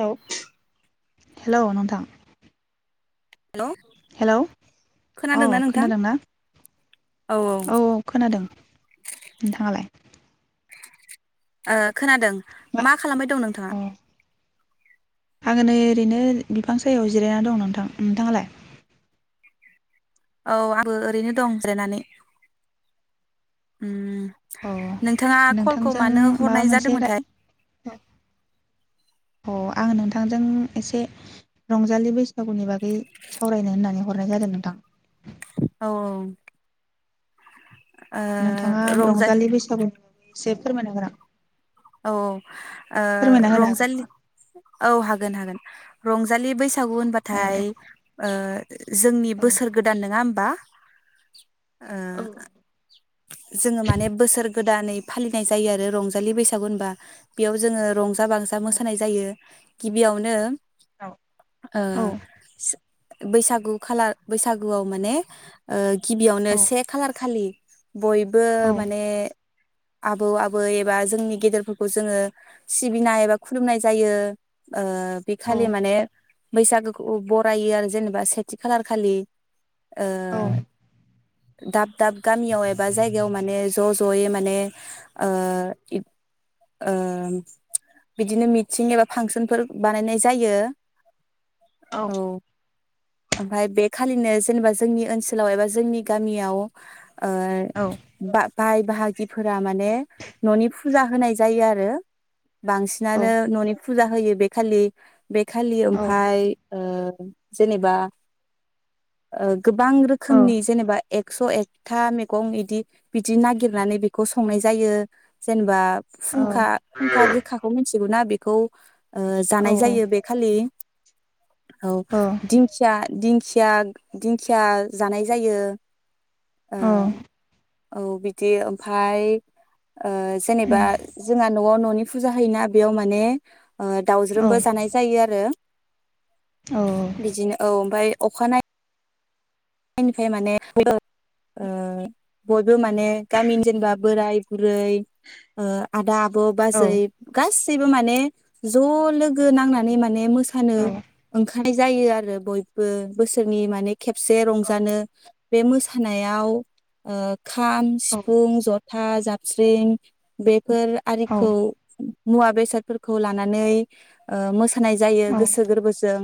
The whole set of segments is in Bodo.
हेल हेल नोंथां। हेलौ हेलौ औ खोनादोंना नोंथां खोनादों ना? औ औ खोनादों। नोंथाङालाय? ओ खोनादों मा खालामबाय दं नोंथाङा? अ आङो नै ओरैनो बिफां सायायाव जिरायनानै दं नोंथां। नोंथाङालाय? औ आंबो ओरैनो दं जिरायनानै। उम अ नोंथाङा कलखौ नोंथांजों मानो माबा हरनाय मोनसे राय जादोंमोनथाय? अ आं नोंथांजों एसे रंजालि बैसागुनि बागै सावरायनो होननानै हरनाय जादों नोंथां। औ औ। ओ नोंथाङा रंजा रंजालि बैसागु एसे फोरमायना होनां। औ औ ओ हागोन रंजालि नामा औ हागोन हागोन। रंजालि बैसा बैसागु औ होनबाथाय दे ओ जोंनि औ बोसोर गोदान नङा होमबा? औ ओ जोङो माने बोसोर गोदानै फालिनाय जायो आरो रंजालि बैसाग सागु बेयाव जोङो रंज जा बांजा मोसानाय जायो। गिबियावनो ओ औ स बैसागु खालार बैसागुआव माने ओ औ गिबियावनो से खालार खालि बयबो औ माने आबौ आबै एबा जोंनि गेदेरफोरखौ जोङो सिबिनाय एबा खुलुमनाय जायो। ओ बेखालि माने बैसागोखौ बरायो आरो जेनेबा सेथि खालार खालि। ओ दाब दाब गामियाव एबा जायगायाव माने ज' ज'यै माने ओ इद ओ बिदिनो मिटिं एबा फांसनफोर बानायनाय जायो। औ। ओमफाय बे खालिनो जेनेबा जोंनि ओनसोलाव एबा जोंनि गामियाव ओ बा बाय बाहागिफोरा माने न'नि फुजा होनाय जायो आरो बांसिनानो न'नि फुजा होयो बे खालि बेखालि ओमफाय ओ जेनेबा ओ गोबां औ रोखोमनि जेनेबा एकस' एकथा मैगं गदि बिदि नागिरनानै बेखौ संनाय जायो जेनबा औ फुंखा फुंखा गोखाखौ नुना बिखौ ओ जानाय जायो बे खालि औ दिंखिया दि दिंखिया दिंखिया जानाय जायो ओ औ बिदि ओमफाय ओ जेनेबा जोंहा न'आव न'नि फुजा होयोना बेयाव माने ओ दावज्रोमबो जानाय जायो आरो बिदिनो औ ओमफाय अखानायै निफ्राय माने [unintelligible] ओ बयबो माने गामिनि जेनेबा बोराय बै ओ आदा आब' बाजै गासै गासैबो माने ज' लोगो नांनानै माने मोसानो ओंखारनाय जायो आरो बयबो बोसोरनि माने खेबसे जानो बे मोसानायाव ओ खाम सिफुं जथा जाब स्रिं बे फोर औ आरिखौ मुवा बेसादफोरखौ लानानै ओ मो होनाय जायो गोसो गोरबोजों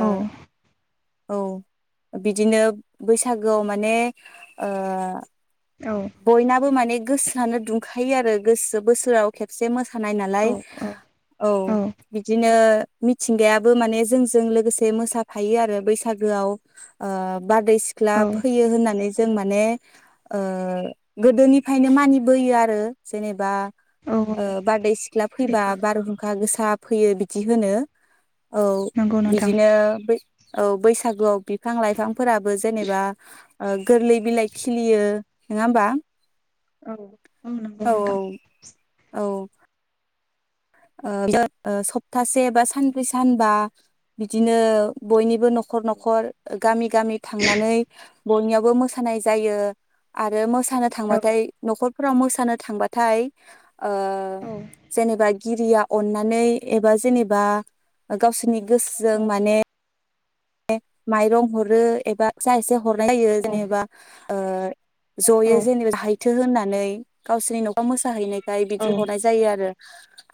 औ औ बिदिनो बैसागोआव माने ओ बयनाबो माने गोसोआनो दुंखायो आरो गोसो बोसोराव खेबसे मो थानाय नालाय औ बिदिनो मिथिंगायाबो माने जोंजों लोगोसे मोसाफायो आरो बैसागोआव। ओ बारदै सिख्ला औ फैयो होननानै जों माने ओ गोदोनिफ्रायनो मानिबोयो आरो जेनेबा ओ औ बारदै सिख्ला फैबा सैथो बारहुंखा गोसाब फैयो बिदि होनो। औ नंगौ नोंथां बिदिनो बै औ बैसागुआव बि फां लाइफां फोराबो जेनेबा ओ गोरलै बिलाइ खिलियो नोङा होमबा? औ औ नंगौ औ नोंथां। औ। ओ [unintelligible] ओ सप्तासे बा सानब्रै सानबा बिदिनो बयनिबो न'ख खर न'खर गामि गामि थांनानै बयनियावबो मोसानाय जायो आरो मोस सानो औ थांबाथाय न'खर फोराव मोसानो थांबाथाय ओ औ जेनेबा गिरिया अननानै एबा जेनेबा गावसोरनि गोसोजों औ माने माइरं हरो एबा जा एसे हरनाय जायो औ जेनेबा ओ ज'यै औ जेनेबा हायथो होनना नै गावसोरनि न'वाव मोसाहैनाय खाय औ बिदि हरनाय जायो आरो।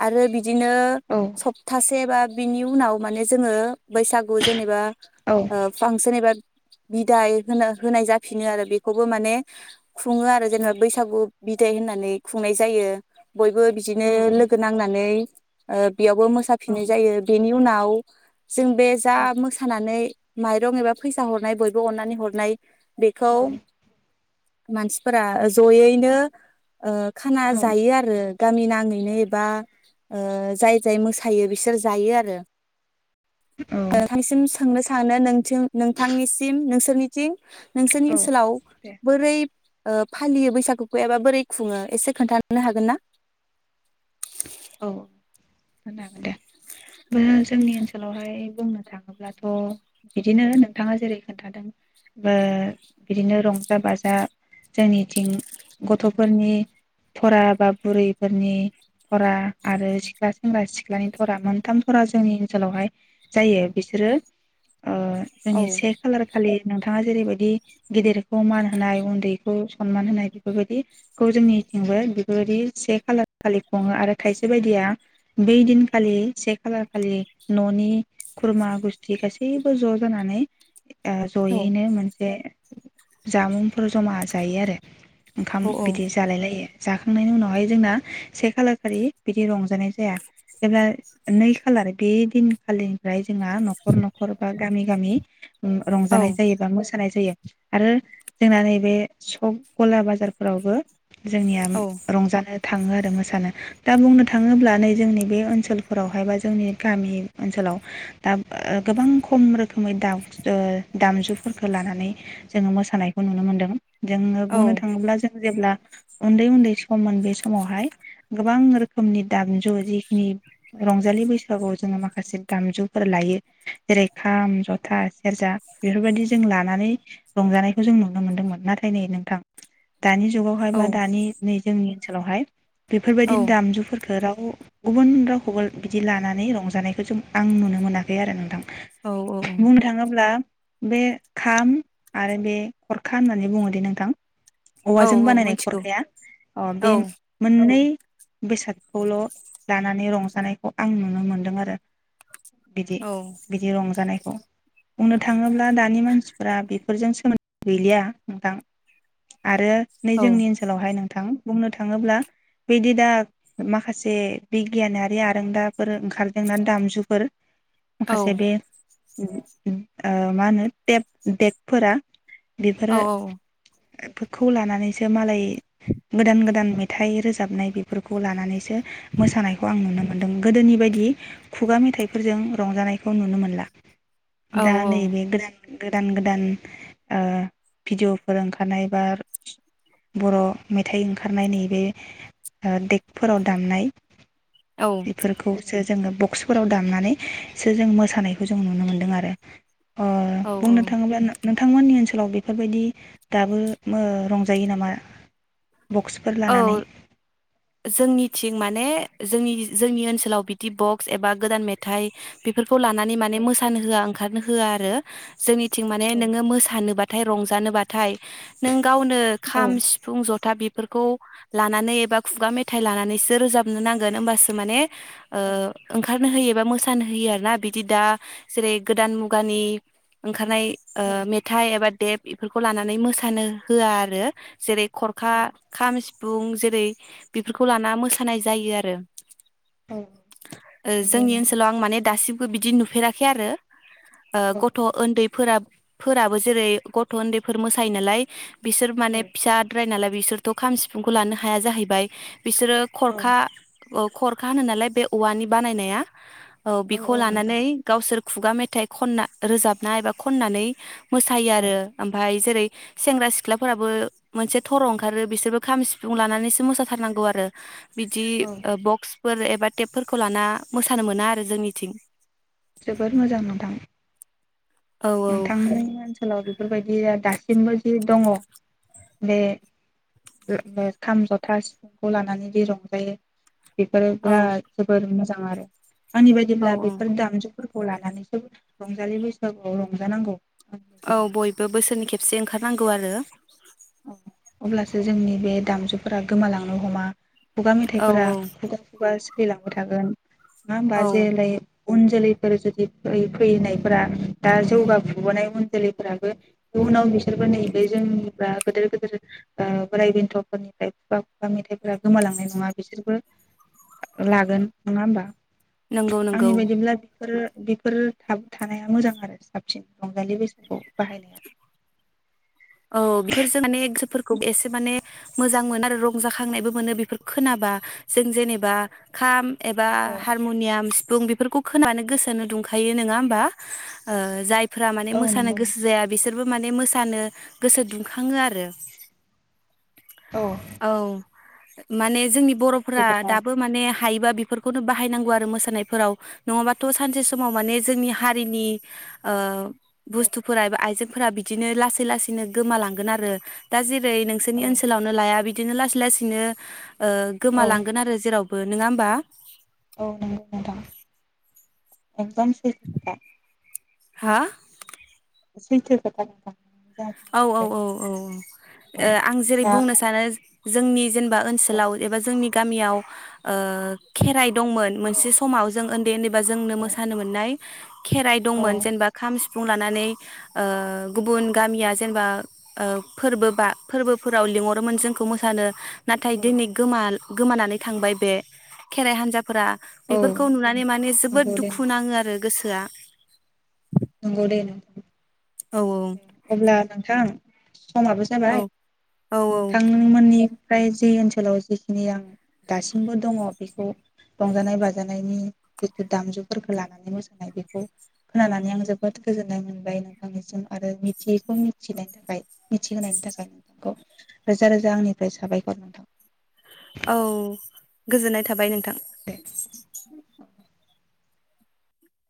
आरो बि दिनो औ सप्तासे बा बिनि उनाव माने जोङो बैसागु जेनेबा औ ओ फांसन एबा बिदाय होनो होनाय जाफिनो आरो बेखौबो माने खुङो आरो जेनेबा बैसागु बिदाय होननानै खुंनाय जायो। बयबो बिदिनो लोगो नांनानै ओ बेयावबो मोसाफिननाय जायो बेनि उनाव जों बे जा मोसा माइरं एबा फैसा हरनाय बयबो अननानै हरनाय बेखौ मानसिफोरा जयैनो ओ खाना जायो आरो गामि नाङैनो एबा ओ जाय जाय मोसायो बिसोर जायो आरो नोंथांनिसिम सोंनो सानो नोंथिं नोंथांनिसिम नोंसोरनिथिं नोंसोरनि औ ओनसोलाव दे बोरै ओ फालियो बैसागु फैयाबा बोरै खुङो एसे खोन्थानो हागोन ना? औ औ खिनथानो हागोन दे जोंनि ओनसोलावहाय बुंनो थाङोब्लाथ बिदिनो नोंथाङा जेरै खोन्थादों ओ बिदिनो रंजा बाजा जोंनिथिं गथ फोरनि फरा बा बुरैफोरनि थरा आरो सिख्ला सेंग्रा सिख्लानि थरा मोनथाम थरा जोंनि ओनसोलावहाय जायो बिसोरो ओ औ जोंनि से खालार खालि नोंथाङा जेरैबायदि गिदिर खौ मान होनाय उन्दै सनमान होनाय बेफोरबायदिखौ जोंनिथिंबो बेफोरबायदि से खालार खालि खुङो आरो खायसे बायदिया बै दिनखालि से खालार खालि न'नि खुरमा गुस्थि गासैबो ज जानानै ओ औ जयैनो मोनसे जामुंफोर जमा जायो आरो ओंखाम औ बिदि जालाय लायो जाखांनायनि उनावहाय जोंना से खालार खालि बिदि रंजानाय जाया एबा नै खालार बे दिन खालिनिफ्राय जोंहा न'खर न'खर बा गामि गामि ओम औ रंजानाय जायो बा मोसानाय जायो। आरो जोंना नैबे सब गला बाजारफोरावबो जोंनिया औ रंजानो थाङो आरो मो सानो। दा बुंनो थाङोब्ला नै जोंनि बे ओनसोलफोरावहाय बा जोंनि गामि ओनसोलाव दा ओ गोबां खम रोखोमै दा ओ दामजुफोरखौ लानानै जोङो मोसानायखौ नुनो मोन्दों। जोङो औ बुंनो थाङोब्ला जों जेब्ला उन्दै उन्दै सममोन बे समावहाय गोबां रोखोमनि दामजु जिखिनि रंजालि बैसागुआव जोङो माखासे दामजुफोर लायो। जेरै खाम, जथा, सेरजा बेफोरबायदि जों लानानै रंजानायखौ जों नुनो मोनदोंमोन नाथाय नै नोंथां दानि जुगावहाय औ बा दानि नै जोंनि सोलावहाय औ बेफोरबायदिनो दामजुफोर फोराव गुबुन रावखौबो बिदि लानानै रंजानायखौ जों आं नुनो मोनाखै आरो नोंथां। औ बुंनो थाङोब्ला बे खाम आरो बे खरखा होननानै बुङो दे नोंथां औ औवाजों औ बानायनाय मिथिगौ खरखाया अ बे औ मोननै बेसादखौल' लानानै रंजानायखौ आं नुनो मोन्दों आरो। बिदि औ बिदि रंजानाय बुंनो थाङोब्ला दानि मानसिफोरा बेफोरजों सोमोन्दो गैलिया नोंथां आरो नै औ जोंनि ओनसोलावहाय नोंथां बुंनो थाङोब्ला बिदि दा माखासे बिगियानारि आरोंदाफोर ओंखारदों ना दामजुफोर औ माखासे बे ओम ओम आ मा होनो जेबो देखफोरा औ औ औ एफोरखौ लानानैसो मालाय गोदान गोदान मे थाइ रोजाबनाय बेफोरखौ लानानैसो मोसानायखौ आं नुनो मोन्दों। गोदोनि बायदि खुगा मेथाइफोरजों रंजानायखौ नुनो मोनला। दा नै औ बे गोदान गोदान गोदान ओ भिडिअ'फोर ओंखारनाय बा बर' मेथाइ ओंखारनायनि बे ओ देकफोराव दामनाय बेफोरखौसो जोङो बुं बक्सफोराव दामनानैसो जों मोसानायखौ जों नुनो मोन्दों आरो। अ औ बुंनो थाङोब्ला नों नोंथांमोननि ओनसोलाव बेफोर बायदि दाबो रंजायो नामा बक्स औ जोंनिथिं माने जों जोंनि ओनसोलाव बिदि बक्स एबा गोदान मेथाइ बेफोर खौ लानानै माने औ मोसानो होआ ओंखारनो होआ आरो जोंनि थिं माने नोङो मोसानोबा नाथाय रंजानोबाथाय। नों गावनो औ खाम, सिफुं, जथा, बि फोरखौ लानानै एबा खुगा मेथाइ लानानैसो रोजाबनो नांगोन होमबासो माने। ओ औ ओंखारनो होयो एबा मोसानो होयो आरोना ना बिदि दा जेरै गोदान मुगानि ओंखारनाय ओ मेथाइ एबा थेब बेफोरखौ लानानै मोसानो होआ आरो जेरै खरखा खाम, सिफुं जेरै बेफोरखौ लाना मोसानाय। जायो आरो औ नंगौ जोंनि नोंथां ओनसोलाव आं माने दासिमबो बिदि नुफेराखै आरो ओ गथ' उन्दैफोरा फोराबो जेरै गथ' उन्दैफोर मोसायो नालाय बिसोर माने फिसाद्राय नालाय बिसोर थ' खाम सिफुंखौ लानो हाया जाहैबाय बिसोरो औ खरखा ओ खरखा होनो नालाय बे औवानि बानायनाया औ बेखौ लानानै गावसोर खुगा मेथाइ खनना रोजाबना एबा खननानै मोसायो औ आरो ओमफाय जेरै सेंग्रा सिख्लाफोराबो मोनसे थरं ओंखारो बिसोरबो खाम सिफुं लानानैसो मोसाथारनांगौ आरो बिदि औ बक्सफोर एबा टेपफोरखौ लाना मोसानो मोना आरो जोंनिथिं जोबोद मोजां नोंथां औ नोंथांनि ओनसोलाव बे बेफोरबायदिया दासिमबो जि दङ बे खाम जथा सिफुंखौ लानानै जि रंजायो बेफोरो औ बेराद जोबोद मोजां जां आरो आंनि औ बायदिब्ला बिफोर दामजु फोरखौ लानानैसो रंजालि बैसागु औ रंजानांगौ औ बयबो बोसोरनि खेबसे ओंखार नांगौ आरो औ अब्लासो जोंनि बे दामजुफोरा गोमालांनो हमा, खुगा औ मेथाइफोरा औ खुगा खुगा सो थैलांबाय थागोन मा होनबा औ जेलै उन जोलैफोर जुदि फै फैनायफोरा दा जौगाफुबोनाय उन जोलैफोराबो इउनाव बिसोरबो नैब जोंनिफ्रा, गोदोर गोदोर ओ बोराइ बेन्थफोरनिफ्राय खुगा खुगा मेथाइफोरा गोमालांनाय नङा बिसोरबो लागोन नङा होमबा, नंगौ नंगौ आंनि बायदिब्ला बेफोर बेफोर थाब थानाया मोजां आरो साबसिन रंजालि बैसागुखौ बाहायनाया, औ बेफोरजों माने गोसोफोरखौ एसे माने मोजां मोनो आरो रंजाखांनायबो मोनो बेफोर खोनाबा जों जेनेबा खाम, एबा औ हारमनियाम, बुं बेफोरखौ खोनानो गोसोनो दुंखायो नङा होमबा ओ जाय फ्रा माने औ मोसानो नंगौ गोसो नोंथां जाया बिसोर, बोमाने मोसानो गोसो दुंखाङो आरो औ माने जोंनि सैथो बर'फोरा खोथा दाबो माने हायोबा बेफोरखौनो बाहायनांगौ आरो मोसानायफोराव नङाबाथ' सानसे समाव माने जोंनि हारिनि ओ औ बुस्थुफोरा एबा आइजो फोरा बिदिनो लासै लासै बिदिनो गोमालांगोन आरो दा जे रै औ नोंसोरनि ओनसोलावनो लाया बि, बिदिनो लासै लासैनो ओ औ गोमालांगोन आरो जेराव, बो नङा होमबा [unintelligible] हा सैथो खोथा नोंथां जाखिनि औ औ बुंदों औ औ औ आं जेरै दा बुंनो सानो, जोंनि जेन बा औ ओनसोलाव एबा जोंनि गामियाव ओ खेराइ दंमोन औ मोनसे समाव जों ओन्दै ओन्दैबा जोंनो मोसानो औ मोननाय खेराइ दंमोन जेनबा खाम सि फुं लानानै ओ गुबुन गामिया, जेनबा ओ फोरबो बा फोरबो फोराव लिंहरोमोन जोंखौ मोसानो नाथाय दिनै गोमाल गोमानानै थांबाय बे खेराइ हान्जा फोरा औ बेफोरखौ नुनानै माने जोबोद नंगौ दे दुखु नाङो आरो गोसोआ नंगौ दे नों औ अब्ला नोंथां समाबो जाबाय औ नोंथांनोंमोननि फ्राय जि ओनसोलाव जिखिनि आं दासिमबो दङ बेखौ रंजानाय बाजानायनि जिथु दामजुफोरखौ लानानै मोसानाय बेखौ खोनानानै आं जोबोद गोजोननाय मोनबाय नोंथांनिसिम आरो मिथियैखौ मिथिनायनि थाखाय मिथिहोनायनि थाखाय नोंथांखौ रोजा रोजा आंनिफ्राय साबायखर नोंथां औ गोजोननाय थाबाय नों थां दे